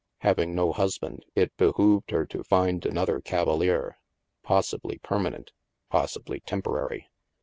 Having no husband, it behooved her to find another cavalier — possibly permanent, possibly temporary.